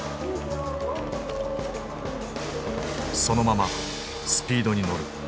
そのままスピードに乗る。